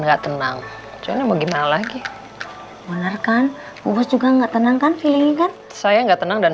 nggak tenang coba gimana lagi bener kan bos juga nggak tenangkan feeling kan saya nggak tenang dan